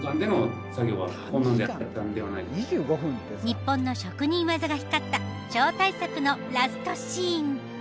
日本の職人技が光った超大作のラストシーン。